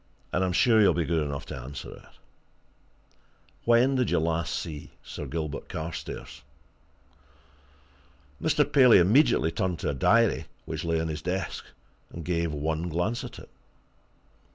"And I'm sure you'll be good enough to answer it. When did you last see Sir Gilbert Carstairs?" Mr. Paley immediately turned to a diary which lay on his desk, and gave one glance at it.